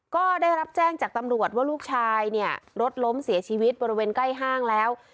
ก็ได้รับแจ้งจากตำรวจว่าลูกชายเนี่ยรถล้มเสียชีวิตบริเวณใกล้ห้างแล้ว